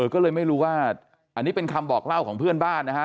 ก็เลยไม่รู้ว่าอันนี้เป็นคำบอกเล่าของเพื่อนบ้านนะฮะ